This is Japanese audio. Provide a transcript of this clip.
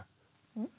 うん？